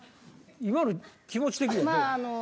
今の気持ち的にはどう？